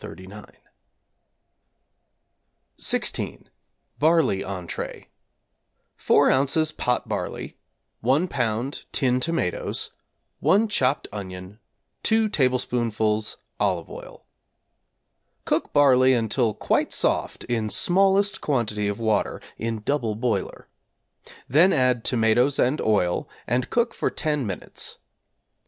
39). =16. Barley Entrée= 4 ozs. pot barley, 1 lb. tin tomatoes, 1 chopped onion, 2 tablespoonfuls olive oil. Cook barley until quite soft in smallest quantity of water (in double boiler). Then add tomatoes and oil, and cook for 10 minutes.